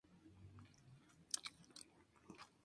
El oro se lo llevó Colombia por primera vez.